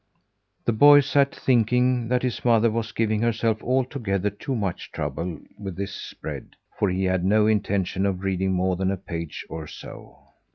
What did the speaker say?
The boy sat thinking that his mother was giving herself altogether too much trouble with this spread; for he had no intention of reading more than a page or so.